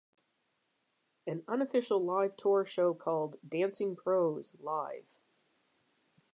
An unofficial live tour show called Dancing Pros: Live!